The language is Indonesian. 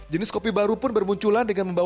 jenis kopi baru pun bermunculan dengan membawa